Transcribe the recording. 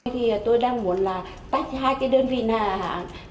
thì tôi đang muốn là bắt hai cái đơn vị này